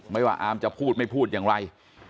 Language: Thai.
ว่าอามจะพูดไม่พูดอย่างไร